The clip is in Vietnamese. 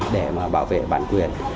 để bảo vệ bản quyền